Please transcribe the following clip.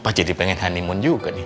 oh jadi pengen honeymoon juga nih